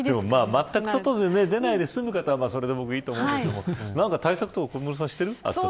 まったく外に出ないで済む方はそれでいいと思うんですけど何か対策とか小室さんはしてる。